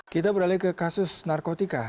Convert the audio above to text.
kita beralih ke kasus narkotika